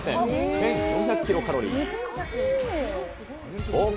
１４００キロカロリー。